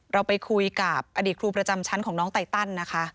เราไปคุยกับอดีตครูประจำชั้นของน้องไตตันนะคะ